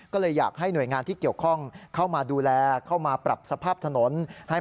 ก็เลยอยากให้หน่วยงานที่เกี่ยวข้องเข้ามาดูแลเข้ามาปรับสภาพถนน